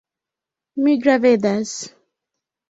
Mi gravedas.